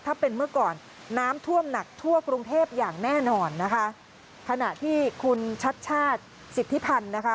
ถ้าเป็นเมื่อก่อนน้ำท่วมหนักทั่วกรุงเทพอย่างแน่นอนนะคะขณะที่คุณชัดชาติสิทธิพันธ์นะคะ